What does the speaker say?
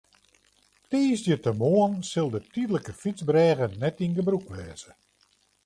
Tiisdeitemoarn sil de tydlike fytsbrêge net yn gebrûk wêze.